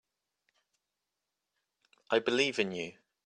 I believe in you.